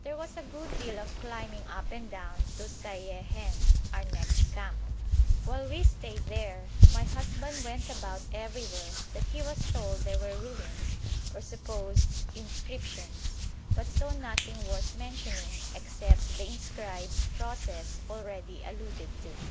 There was a good deal of climbing up and down to Saièhen, our next camp. While we stayed there my husband went about everywhere that he was told there were ruins or supposed inscriptions, but saw nothing worth mentioning except the inscribed crosses already alluded to.